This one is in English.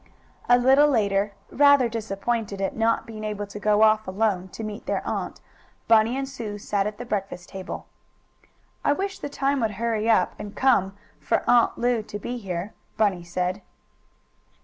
A little later, rather disappointed at not being allowed to go off alone to meet their aunt, Bunny and Sue sat at the breakfast table. "I wish the time would hurry up and come for Aunt Lu to be here," Bunny said.